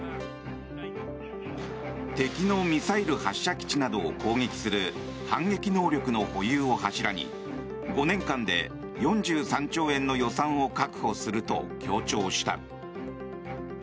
敵のミサイル発射基地などを攻撃する反撃能力の保有を柱に５年間で４３兆円の予算を確保すると強調した。